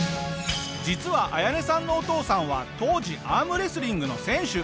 実はアヤネさんのお父さんは当時アームレスリングの選手。